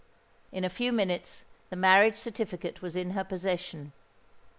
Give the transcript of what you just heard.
In a few minutes the marriage certificate was in her possession.